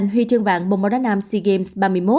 huy chương vạn bồn bó đá nam sea games ba mươi một